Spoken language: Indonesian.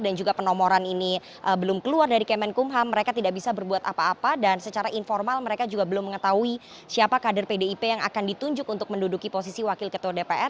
juga penomoran ini belum keluar dari kemenkumham mereka tidak bisa berbuat apa apa dan secara informal mereka juga belum mengetahui siapa kader pdip yang akan ditunjuk untuk menduduki posisi wakil ketua dpr